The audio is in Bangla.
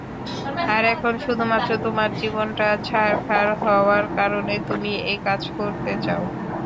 আর এখন শুধুমাত্র তোমার জীবনটা ছারখার হওয়ার কারণে তুমি একাজ করতে চাও?